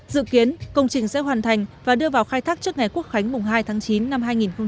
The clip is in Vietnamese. dự kiến công trình sẽ hoàn thành và đưa vào khai thác trước ngày quốc khánh hai tháng chín năm hai nghìn hai mươi